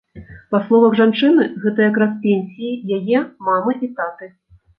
Па словах жанчыны, гэта якраз пенсіі яе мамы і таты.